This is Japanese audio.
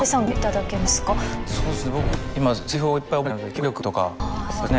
そうですね。